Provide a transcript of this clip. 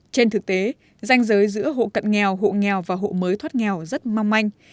trên thực tế danh giới giữa hộ cận nghèo hộ nghèo và hộ mới thoát nghèo rất mong manh